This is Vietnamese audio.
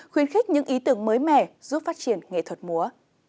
khuyến khích những ý tưởng mới mẻ giúp phát triển nghệ thuật múa